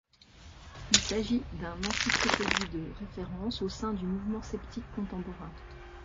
Il s'agit d'un encyclopédie de référence au sein du mouvement sceptique contemporain.